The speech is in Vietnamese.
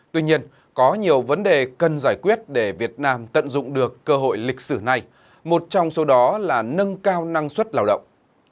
tuy nhiên có nhiều vấn đề cần giải quyết để việt nam tận dụng được cơ hội lịch sử này một trong số đó là nâng cao năng suất lao động